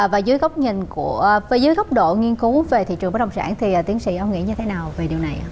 và dưới góc độ nghiên cứu về thị trường bất đồng sản thì tiến sĩ ông nghĩ như thế nào về điều này